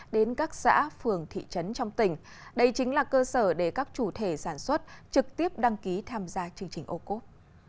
đến các xã phường thị trấn trong tỉnh đây chính là cơ sở để các chủ thể sản xuất trực tiếp đăng ký tham gia chương trình ô cốp